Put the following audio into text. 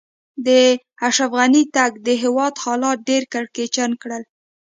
د اشرف غني تګ؛ د هېواد حالات ډېر کړکېچن کړل.